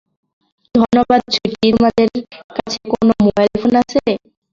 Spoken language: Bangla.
ধন্যবাদ, সুইটি তোমাদের কাছে কোন মোবাইল ফোন আছে?